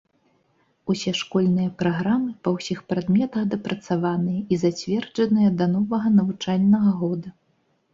Усе школьныя праграмы па ўсіх прадметах дапрацаваныя і зацверджаныя да новага навучальнага года.